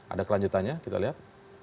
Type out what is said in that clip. ada kelanjutannya kita lihat